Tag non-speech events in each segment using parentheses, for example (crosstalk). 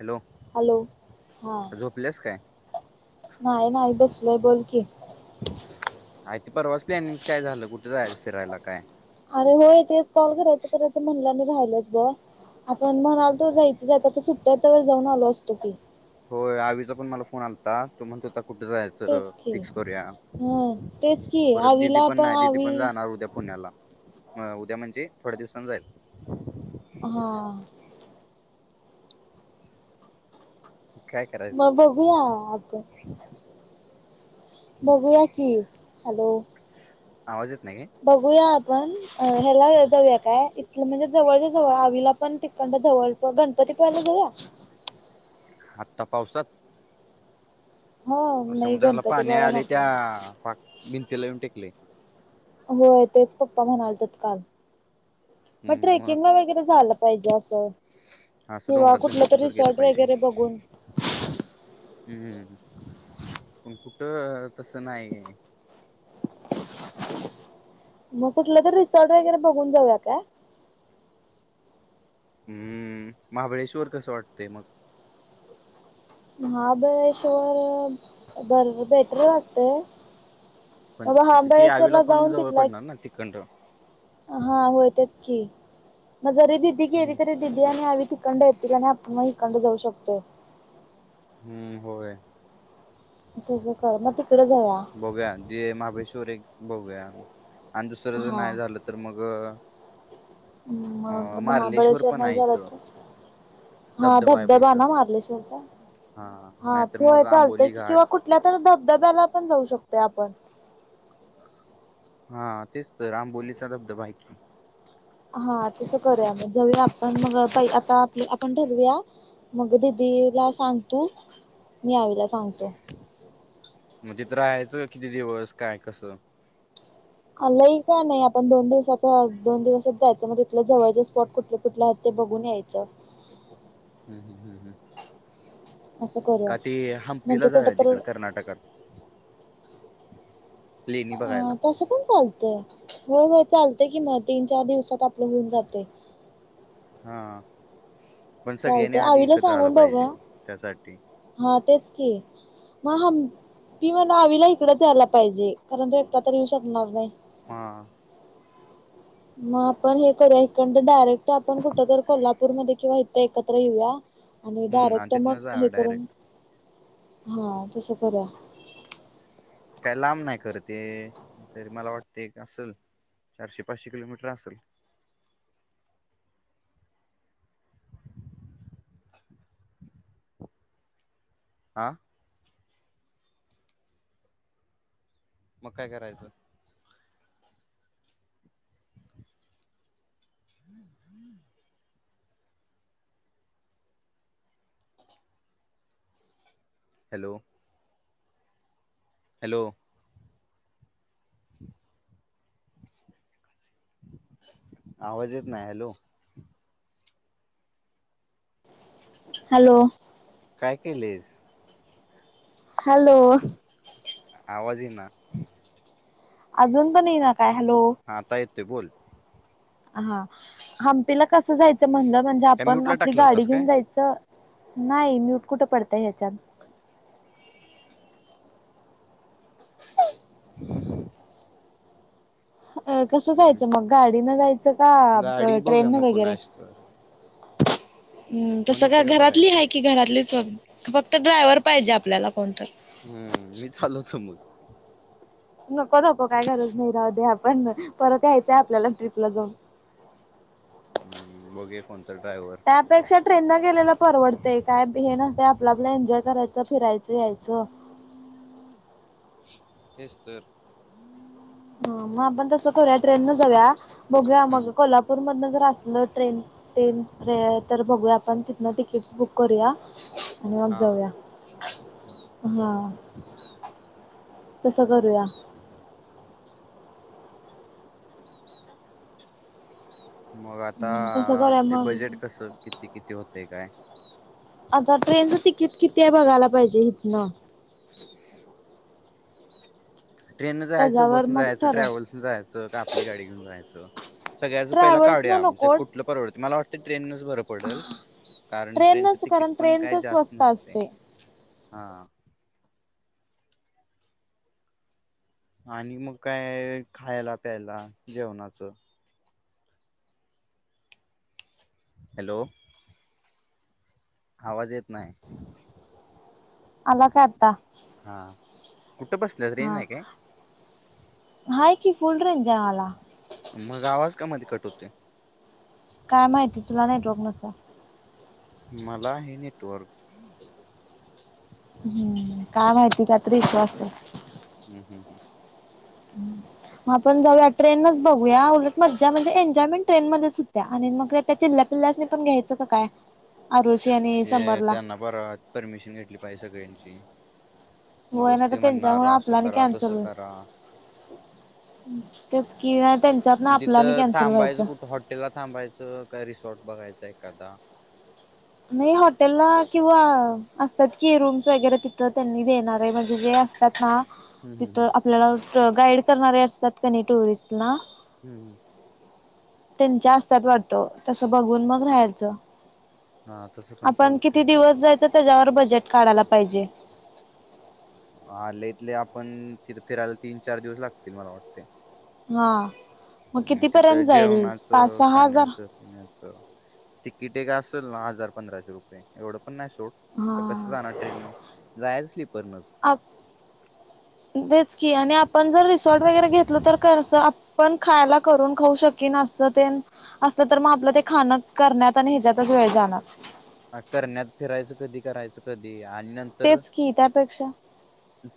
Hello, hello हा झोपलेस काय? नाही, नाही बसलोय बोल की. आर ते परवाच प्लॅनिंगस काय झालं कुठे जायचं फिरायला काय? अरे, होय तेच कॉल करायचं करायचं म्हणला राहिलच बग. आपण म्हणाल तो जायचय जायचं तर सुट्ट्या हायेत तोवर जाऊन आलो असतो. होय आवीचा पण मला फोन आलता तो म्हणतं हुता कुठं जायाच? तर तेच की फिक्स करूया हम्म तेच की परत दिदी आवीला पण नाय दिदी आवी पण जाणार उद्या पुण्याला म उद्या म्हणजे थोड्या दिवसांन जाईल हां काय करायचं? (unintelligible) बगूया की हॅलो आवाज येत नाही काय? बघूया आपण अ ह्याला जाऊया काय इथलं म्हणजे जवळच्या जवळ आवीला पण तिकडंन जवळच गणपतीपुळ्याला जाऊया? आता पावसात हा नाही समुद्राला गणपती पाणी बाला आलय नको त्या पाक भिंतीला येऊन टेकलय होय तेच पप्पा म्हणालेतेत काल मग ट्रेकिंगला वगैरे जायला पाहिजे असं अस किंवा डोंगरात कुठलं बिंगरात कुठ तर गेलं रिसॉर्ट पाहिजे. वगैरे बघून हम्म, पण कुठ तसं नाही. मग कुठलं तर रिसॉर्ट वगैरे बघून जाऊया काय? हम्म, महाबळेश्वर कसं वाटतंय मग? महाबळेश्वर बर बेटर वाटतंय पण ती ती आवीला महाबळेश्वरला पण जाऊन जवळ तिथला एक पडणार ना तिकडनं हा, हो तेच की मग जरी दिदी गेली हम्म तरी दिदी आणि आवी तिकण्ड येतील आणि आपण मग हिकडणं जाऊ शकतोय. हम्म होय. तुझं कर मग तिकडे जाऊया. बघूया जे महाबळेश्वर एक बघूया आणि दुसरं जर हा नाही झालं तर मग अ मग मार्लेश्वर महाबळेश्वर पण नाही आहे झालं इथं तर हा आहे बघ धबधबा इथं ना मार्लेश्वरचा हा हा नाहीतर मग चालतंय आंबोली की घाट किंवा कुठ कुठल्या तरी धबधब्याला पण जाऊ शकतोय आपण हा तेच तर आंबोलीचा धबधबा हाय की. हा तसं करूया मग जाऊया आपण मग पहिलं आता आप आपण ठरूया. मग दिदीला सांग तू, मी आवीला सांगतो. मंग तिथं राहायचं किती दिवस काय कसं? लंय का नाही आपण दोन दिवसाचं दोन दिवसंच जायचं मग तीथल जवळच स्पॉट कुठले कुठले आहेत ते बघून यायचं. हम हम ह. असं करूया का ते म्हणजे हंपीला कुठं जाऊया तर तिकडं कर्नाटकात? (inaudible) अ बघायला तस पण चाल तय हो हो चालतय कि म तीन चार दिवसात आपलं होऊन जाते हा पण सगळ्यांनी चालतंय आधी आवीला एकत्र आलं सांगून पाहिजे बघूया त्यासाठी हा तेच की मग हम्पि मला आवीला इकडंचं यायला पाहिजे कारण तो एकटा तर येऊ शकणार नाही हा मग आपण हे करूया ईकंड डायरेक्ट आपण कुठ तर कोल्हापूरमध्ये किंवा इथं एकत्र येऊया आणि हम्म डायरेक्ट तिथनं मग जा हे डायरेक्ट करून हा तसं करूया काय लांब नाही खरं ते तरी मला वाटते असंल चारशे पाचशे किलोमीटर आसंल (inaudible) आ मग काय करायचं. हम् हम्म हॅलो हॅलो क आवाज येत नाही हॅलो हॅलो काय केलेस हॅलो आवाजही ना अजून पण येई ना काय हॅलो. हा त येतो बोल. हा हंपीला कसं जायचं म्हणलं म्हणजे काय आपण म्यूटला आपली टाकला गाडी होतास काय घेऊन जायचं. नाही म्यूट कुठं पडतय ह्याच्यात ह अ कसं जायचं मग गाडीनं जायचं का गाडी बघूया ट्रेननं मग वगैरे कोणाची तर हम् कोण तसं का येते घरातली बघायचं आहे की घरातलीच फक्त ड्रायव्हर पाहिजे आपल्याला कोणत. हम् मी चालो समोर नको नको काय गरज नाही राहू दे आपण परत यायचंय आपल्याला ट्रीपला जाऊन. हम् बघे कोणता डायव्ह त्यापेक्षा ट्रेन न गेलेला परवडते काय हे नसते आपलं आपला एन्जॉय करायचं फिरायचं यायचं. हेच तर ह मग आपण तसं करूया ट्रेनन जाऊया बघू मग कोल्हापूर मधन जर असलं ट्रेन ते तर बघूया आपण तिथनं तिकीटस बुक करूया. आणि मग हां जाऊया हा तसं करूया. मग आता तसं करूया ते बजेट मग कसं किती किती होतं काय? आता ट्रेनचं तिकीट किती आहे बघायला पाहिजे इथनं. ट्रेनन जायचं त्याच्यावर बस मग जायचं ठरव ट्रॅव्हल्स जायचं का आपली गाडी घेऊन जायचं. सगळ्यां पहिला ट्रॅव्हल्स न कावड्या आमच्या नको कुठलं परवडतं मला वाटतें ट्रेनच भर पडल कारण ट्रेनचं ट्रेनच तिकीट कारण पण ट्रेनच काय जास्त स्वस्त नसते असते हा. आणि मग काय खायला प्यायला जेवणाचं हॅलो आवाज येत नाही. आला काय आता हां कुठे बसलं. हा हा की फुोल रे जयवाला मग आवाज कामध्ये कट होते. काय माहिती तुला नेटवर्ग नस मला हे नेटवर्क हम् काय माहिती का आता विश्वास आहे. हम् हम हं मग आपण जाऊया ट्रेनच बघूया उलट मजा म्हणजे एन्जॉयमेंट ट्रेन मध्येच होत्या आणि मग त्या त्या चिल्ल्या पिल्लासने पण्यायं काय? आ रोजिया आणि हे समरला त्यांना बर परमिशन घेतली पाहिजे सगळ्यांची होय उगच ना तर ते त्यांच्या मु म्हणणार असं आपला आणि करा तसं कॅन्सल करा तेच कि नाही त्यांच्यात ना आपल्या नाही कॅन्सल व्हायचं. हॉटेला थांबायचं काय रिसॉर्ट बघायचं एखादा नाही हॉटेलला किंवा असतात कि रूम्स वगैरे तिथं त्यांनी देणार आहे म्हणजे जे त्या ह हम्म हम्म तिथं हम्म आपल्याला गाईड करणारे असतात क टुरिस्टला हम् ह त्यांच्या हस्त्याात वाटतो तसं बघून मग राहायचं हा तसं पण आपण चालते किती दिवस मग जायचं त्याच्यावर बजेट काढायला पाहिजे हाले इथले आपण तिथे फिरायला तीन चार दिवस लागतील मला वाटते ह मग तिथं जेवणाचं सहा खाण्या हजार असं च तिकीट आहे का असेल ना हजार पंधराशे रुपये एवढं पण नाही सोट तर कसं जाणार हा ट्रेन नं जायच स्लीपरनच बेचकी आणि आपण जर रिसॉर्ट वगैरे घेतलं तर क पण खायला करून खाऊ शकन असतं ते असलं तर मग आपलं ते खाणं करण्यात आणि ह्याच्यातच वेळ जाणार ह करण्यात फिरायचं कधी करायचं कधी आणि नर तेच की त्यापेक्षा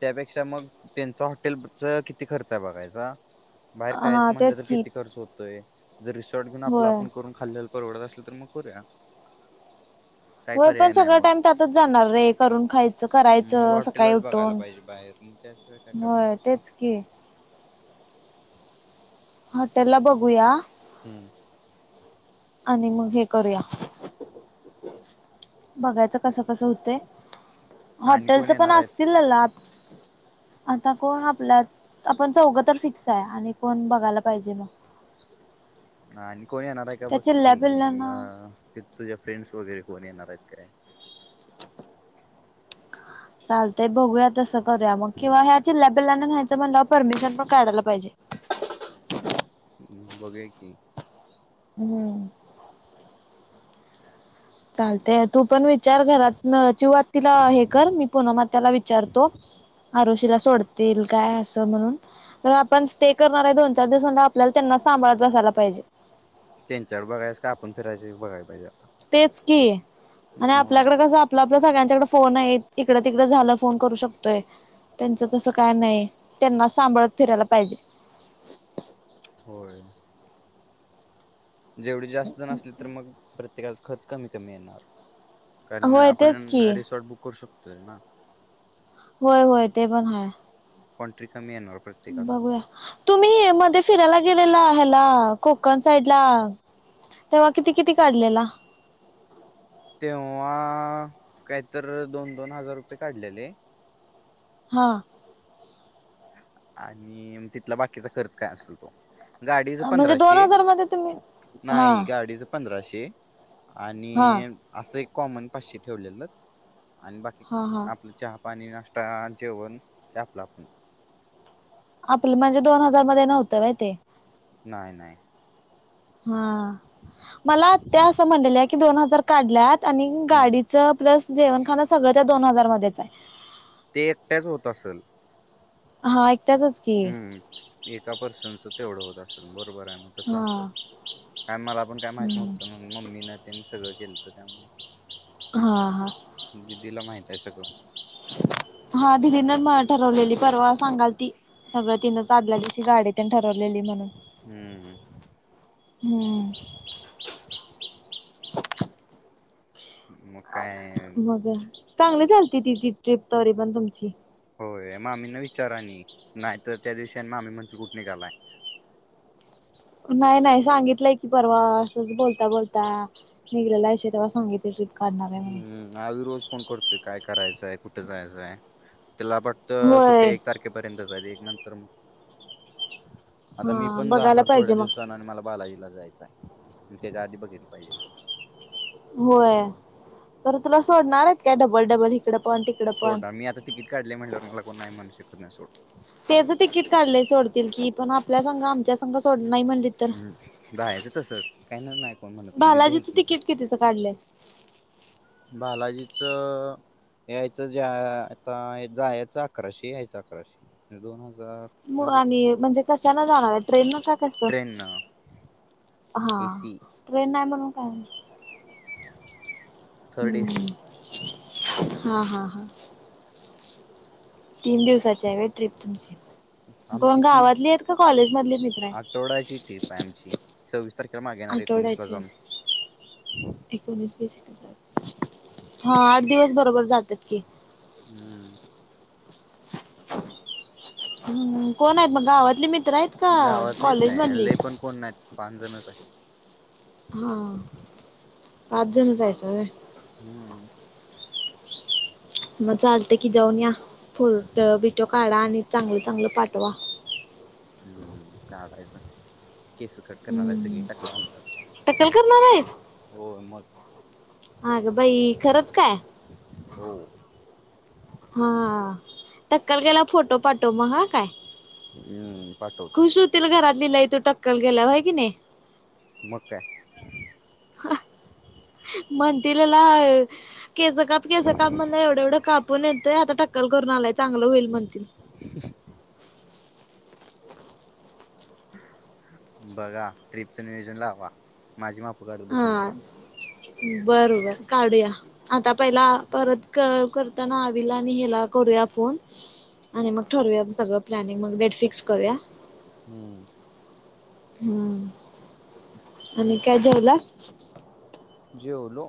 त्यापेक्षा मग त्यांचा हॉटेलचा किती खर्च आहे बघायचा बाहेर हा कायचं म्हटलं तेच तर की किती खर्च होतोय जर रिसॉर्ट घेऊन आपलं होय आपण करून खाल्ल्याल परवडत असलं तर मग करूया काय होय पण पर्याय नाही सगळ मग टाईम त्यातच जाणार रे करून खायचं मग करायचं सकाळी हॉटेलच बघायला उठून पाहिजे बाहेर मग त्याशिवाय काय हो करणार दुसरं तेच की हॉटेल ला बघूया हम्म आणि मग हे करूया बघायचं कसं कसं होत आणि हॉटेलच कोण पण येणार आहेत असतील ना ला आता कोण आपल्या आपण चौघं तर फिक्स आहे आणि कोण बघायला पाहिजे मग आणि कोण येणार आहे का बघ त्या चिल्ल्या पिल्ल्यांना की तुझ्या फ्रेंड्स वगैरे कोण येणार आहेत काय चालतंय बघूया तसं करूया मग किंवा ह्या चिल्ल्या पिल्लां घ्यायचं म्हण परमिशन पण काढायला पाहिजे ह् बघे की हम्म चालतेय तू पण विचार घरात चिवात तिला हे कर मी पुनम त्याला विचारतो आरुशीला सोडतील काय असं म्हणून तर आपण स्टे करणार आहे दोन चार दिवस म्हणे आपल्याला त्यांनाच सांभाळत बसायला पाहिजे त्यांच्यावर बघायस का आपण फिरायची बघाला पाहिजे आता तेच की आणि मग आपल्याकडे कसं आप आपल्या सगळ्यांच्याकडे फोन आहे इकडें तिकडे झालं फोन करू शकतोय त्यांचं तसं काय नाही त्यांना सांभाळत फिरायला पाहिजे होय जेवढी जास्त जण असली तर मग प्रत्येकाला खर्च कमी कमी येणार कारण होय तेच आपण की रिसॉर्ट बुक करू शकतो ना होय होय ते पण ह कणट्री कमी येणार प्रत्येकाला बघूया तुम्ही मध्ये फिरायला गेलेला ह्याला कोकण साईड ला तेव्हा किती किती काढलेला तेव्हा काहीत दोन दोन हजार रुपये काढलेले हा आणि तिथला बाकीचा खर्च काय असेल तो गाडीच म्हणजे दोन पंधराशे हजार मध्ये तुम्ही हा नाही गाडीच पंधराशे हा आणि अस एक कॉमन पाचशे ठेवलेलं आणि बा क हा हा आपलं चहा पाणी नाश्ता जेवण ते आपलं आपण आपलं म्हणजे दोन हजार मध्यें नव्हतं माहिती आहे नाहीं नाहीं हां मलां त्यां असं म्हणलेल्यां कि दोन हजार काढल्यांत आणि हम्म गाडीचं प्लसं जेवणं खावणं सगळं त्यां दोन हजार मध्येचं आहे ते त्यांट्यांच होतं असलं हां एकदाचं हम्मं एकां पर्सनचं तेवढं होतं असेलं बरोबर आहे मंग तसं हा असतं कायं मलां पणं कायं माहीत हम्म नव्हतं नां मम्मी नां ते सगळं केलंतं त्यामुळं हां हां दिदीलां माहित आहे सगळं हां दिदीनं मलां ठरवलेली पर्वाचं सांगाल ती सगळं तिनं अंदल्यां दिशी गांडी त्यां ठरवलेली म्हणूंन हम्म हम्मं मग काय मंग चांगली चालते ति ती ट्रीप तरी पणं तुमची होयं मामी नां विचारं आणि नाहीं तरं त्यां दिवशी मामी म्हणतिलं कुंठ निघालायं नाहीं नाहीं सांगितलंय की पर्वा असंच बोलतां बोलतां निघलेलं असं तेंव्हा सांगित कर (unintelligible) हम्मं आं रोज फोन करतोयं कायं करायचंय कुंठे जायचंय त्यांलाट तं सुट्ट्यां होय. एक तारखेपर्यंत आहे एक नंतर मंग आतां मी हा पणं बघायला जाणारं पाहिजे थोड्यां मग. दिवसां आणि मलां बालाजीलां जायचं आहे त्यांच्या आधी बघितलं पाहिजे होयं तरं तुलां सोडणांर आहे आहेतं कायं डबलं डबलं इिकडं पणं तिकडं पणं तिकीटं काढलें म्हंणल्यांवर मलां कोणं नाहीं म्हंणू शकतं नाहीं सोडं तेचं तिकीट काढलें सोडतीलं की पणं आपल्यां संग आमच्यां संग सोड नाहीं म्हणतीलं हम्मं राहायचं तसंच कांहीं नां नाहीं कोणं म्हणतं नां दिदी आहे बालाजीचं की तिकीट कितीचं काढलंय बालाजीचं अं यायचं ज्यां आतां जां यायचं अकराशे यायचं अकराशे म्हणंजे दोन हजांर आणि म्हणंजे कशांन जाणारं आहे ट्रेन नं जासिल कां ट्रेन न हां एसी ट्रेन नाहीं म्हणूंन कायं थर्ड एसी हम्मं हां हां हां तीनं दिवसांची आहे ट्रिप तुमंची आंमची ट्रीप मित्र आहेत आठवड्यांची ट्रीप आहे आंमची सव्वीस तांरखेचं मांगे येणारं एकोणीसं लां आठवड्याचे जाऊंण एकोणीस वीस हां आंठ दिवसं बरोबर जातील क (unintelligible) हम्मं हम्मं कोणं आहेतं मंग गांवातली मित्रं आहेतं कां कॉलेज मधंली कोणं नाहींत पांच जणचं आहे हां पांच जणं जायचं होयं हम्मं मंग चालतं की जाऊंन यां फोटो बिटो काढां आणि चांगलं चांगलं पाठवां हम्मं काढायचं केस कंट करणारं आहे सगळी हम्म टकल टक्कल होणारं करणार हो मंग अंगं बाई खरचं कायं हो हां टक्कंल केल्यांवर फोटो पाठवं मंग हां कायं हम्मं पाठवतो खुंश होतीलं घरांत लंय की तूं टक्कंल केल्यांवर होयं की नाहीं मग काय? म्हणतीलला केस काप केस काप म्हणला एवढं एवढं काप पुण येतोय आता टक्कल करून आलाय चांगलं होईल म्हणतील ख बघा ट्रिपचं नियोजन लावा, माझी माप‌ काडत बसू हा नका. बरोबर काढूया आता पहिला परत करताना आवीला आणि हेला करूया फोन. आणि मग ठरवूया सगळं प्लॅनिंग मग डेट फिक्स करूया. हम्म हम्म आणि काय जेवलास? जेवलो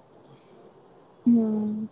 हम्म